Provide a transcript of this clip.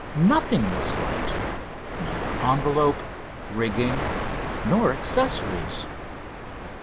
Nothing was light neither envelope, rigging, nor accessories.